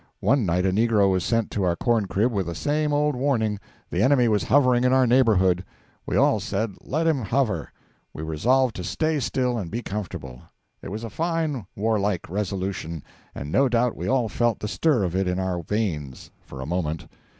One night a negro was sent to our corn crib with the same old warning: the enemy was hovering in our neighbourhood. We all said let him hover. We resolved to stay still and be comfortable. It was a fine warlike resolution, and no doubt we all felt the stir of it in our veins for a moment.